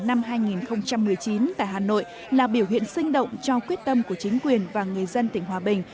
năm hai nghìn một mươi chín tại hà nội là biểu hiện sinh động cho quyết tâm của chính quyền và người dân tỉnh hòa bình